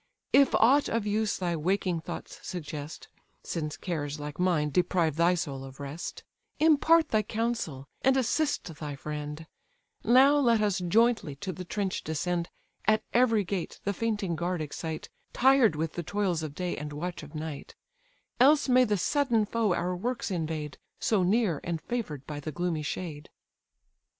If aught of use thy waking thoughts suggest, (Since cares, like mine, deprive thy soul of rest,) Impart thy counsel, and assist thy friend; Now let us jointly to the trench descend, At every gate the fainting guard excite, Tired with the toils of day and watch of night; Else may the sudden foe our works invade, So near, and favour'd by the gloomy shade."